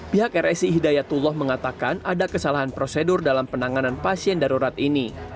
pihak rsi hidayatullah mengatakan ada kesalahan prosedur dalam penanganan pasien darurat ini